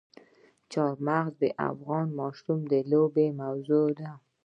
چار مغز د افغان ماشومانو د لوبو موضوع ده.